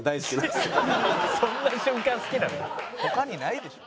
他にないでしょ。